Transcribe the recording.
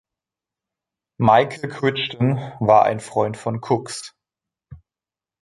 Michael Crichton war ein Freund von Cook‘s.